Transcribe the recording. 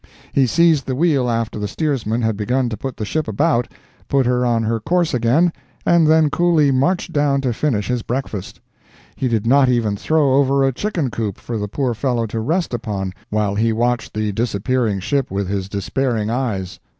He seized the wheel after the steersman had begun to put the ship about, put her on her course again, and then coolly marched down to finish his breakfast. He did not even throw over a chicken coop for the poor fellow to rest upon while he watched the disappearing ship with his despairing eyes.